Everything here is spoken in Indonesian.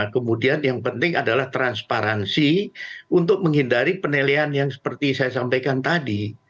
kemudian yang penting adalah transparansi untuk menghindari penilaian yang seperti saya sampaikan tadi